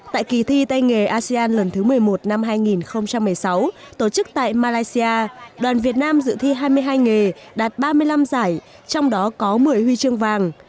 tại kỳ thi tay nghề asean lần thứ một mươi một năm hai nghìn một mươi sáu tổ chức tại malaysia đoàn việt nam dự thi hai mươi hai nghề đạt ba mươi năm giải trong đó có một mươi huy chương vàng